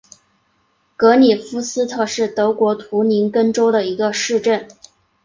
格里夫斯特是德国图林根州的一个市镇。